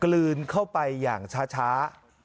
ลืนเข้าไปอย่างช้า